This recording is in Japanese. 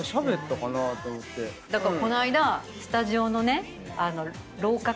だからこの間スタジオのね廊下から。